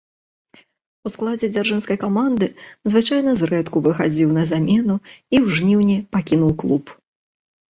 У складзе дзяржынскай каманды звычайна зрэдку выхадзіў на замену, і ў жніўні пакінуў клуб.